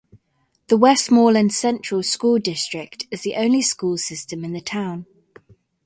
The Westmoreland Central School District is the only school system in the town.